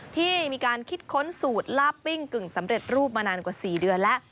ที่มีการคิดค้นสูตรลาบปิ้งกึ่งสำเร็จรูปมานานกว่า๔เดือนแล้ว